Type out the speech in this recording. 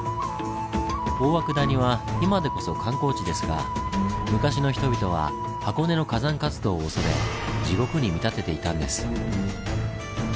大涌谷は今でこそ観光地ですが昔の人々は箱根の火山活動を恐れ地獄に見立てていたんです。